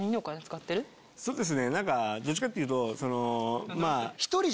そうですね何かどっちかって言うとその。